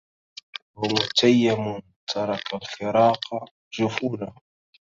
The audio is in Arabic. ومتيم ترك الفراق جفونه